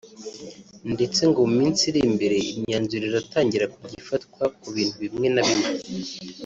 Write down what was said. ndetse ngo mu minsi iri imbere imyanzuro iratangira kujya ifatwa ku bintu bimwe na bimwe